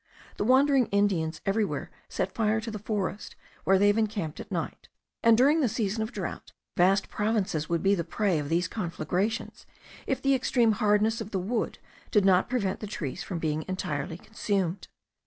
The wandering Indians everywhere set fire to the forest where they have encamped at night; and during the season of drought, vast provinces would be the prey of these conflagrations if the extreme hardness of the wood did not prevent the trees from being entirely consumed.